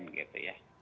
jadi ini berarti